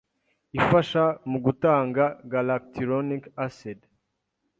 ifasha mu gutanga galacturonic acid,